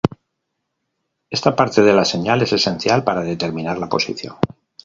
Esta parte de la señal es esencial para determinar la posición.